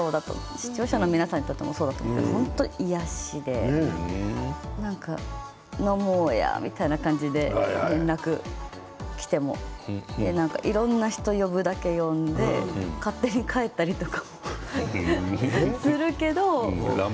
視聴者の皆さんにとってもそうだと思うんですけれどもう本当に癒やしで飲もうや、みたいな感じで連絡が来てもいろんな人を呼ぶだけ呼んで勝手に帰ったりとかもするけど。